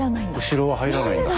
後ろは入らないんだ。